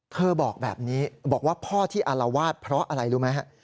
บอกแบบนี้บอกว่าพ่อที่อารวาสเพราะอะไรรู้ไหมฮะ